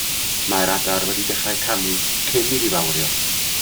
Mae'r adar wedi dechrau canu cyn iddi wawrio.